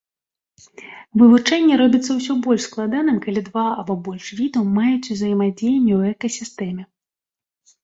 Вывучэнне робіцца ўсё больш складаным, калі два або больш відаў маюць узаемадзеянне ў экасістэме.